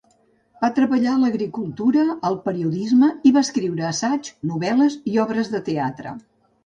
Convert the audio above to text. Va treballar a l'agricultura, al periodisme i va escriure assaigs, novel·les i obres de teatre.